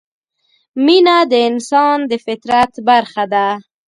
مینه د انسان د فطرت برخه ده.